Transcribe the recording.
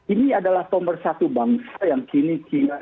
ini adalah nomor satu bangsa yang kini cinta